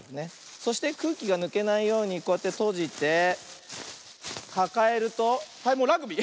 そしてくうきがぬけないようにこうやってとじてかかえるとはいもうラグビー！